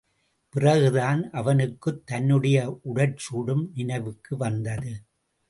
பிறகுதான், அவனுக்குத் தன்னுடைய உடற்சூடும் நினைவுக்கு வந்தது.